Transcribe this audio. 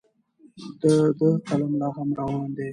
د ده قلم لا هم روان دی.